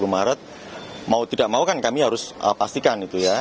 dua puluh maret mau tidak mau kan kami harus pastikan itu ya